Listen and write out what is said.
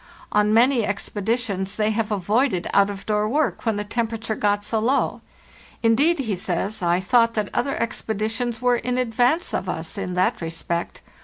On many ex peditions they have avoided out of door work when the temperature got so low. 'Indeed,' he says, 'I thought that other expeditions were in advance of us in that respect.